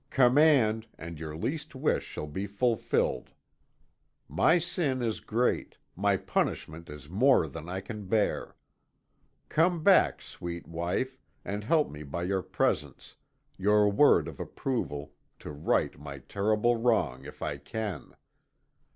Command, and your least wish shall be fulfilled. My sin is great, my punishment is more than I can bear. Come back, sweet wife, and help me by your presence, your word of approval, to right my terrible wrong if I can.